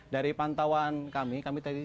dari pantauan kami kami tadi